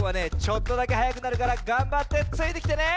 ちょっとだけはやくなるからがんばってついてきてね。